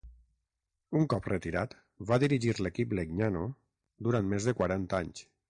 Un cop retirat va dirigir l'equip Legnano durant més de quaranta anys.